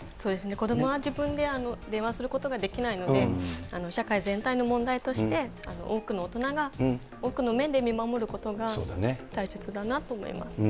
子どもは自分で電話することができないので、社会全体の問題として、多くの大人が、多くの目で見守ることが大切だなと思います。